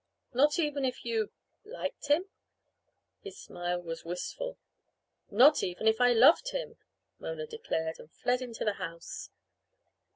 "Not even if you liked him?" his smile was wistful. "Not even if I loved him!" Mona declared, and fled into the house.